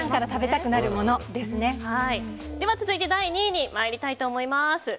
続いて第２位に参りたいと思います。